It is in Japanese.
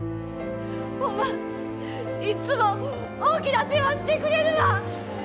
ホンマいっつも大きなお世話してくれるわ！